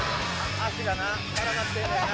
足がな絡まってんねんな。